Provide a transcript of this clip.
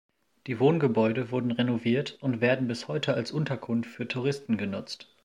Die Wohngebäude wurden renoviert und werden bis heute als Unterkunft für Touristen genutzt.